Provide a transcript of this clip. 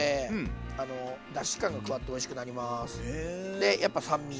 でやっぱ酸味。